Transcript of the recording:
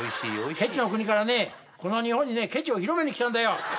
ケチの国からねこの日本にねケチを広げに来たんだよ。